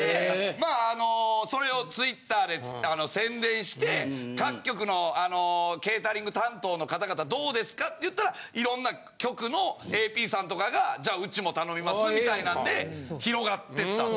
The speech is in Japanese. まああのそれをＴｗｉｔｔｅｒで宣伝して各局のケータリング担当の方々どうですか？って言ったらいろんな局のＡＰさんとかが「じゃあうちも頼みます」みたいなんで広がっていったんです。